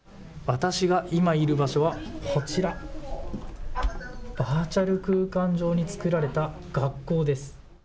私が今いる場所は、こちら、バーチャル空間上に作られた学校です。